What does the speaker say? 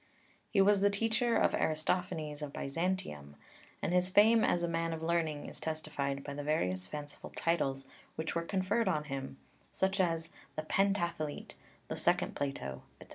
He was the teacher of Aristophanes of Byzantium, and his fame as a man of learning is testified by the various fanciful titles which were conferred on him, such as "The Pentathlete," "The second Plato," etc.